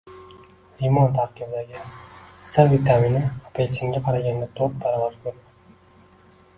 Limon tarkibidagi S vitamini apelsinga qaraganda to‘rt baravar ko‘p.